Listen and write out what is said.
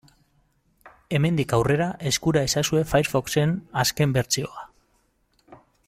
Hemendik aurrera eskura ezazue Firefoxen azken bertsioa.